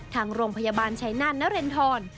ทางโรงพยาบาลชัยนาธนเรนทร